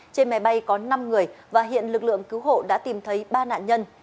trên máy bay có năm người và hiện lực lượng cứu hộ đã tìm thấy ba nạn nhân